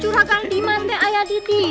curahkan diman teh ayu didi